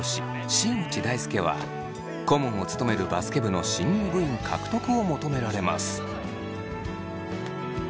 新内大輔は顧問を務めるバスケ部の新入部員獲得を求められます。